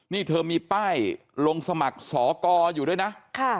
นี่เธอมีป้ายลงสมัครสอกรอยู่ด้วยนะ